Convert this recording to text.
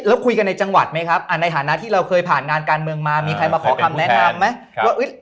แล้วคุยกันในจังหวัดไหมครับในฐานะที่เราเคยผ่านงานการเมืองมามีใครมาขอคำแนะนำไหมว่า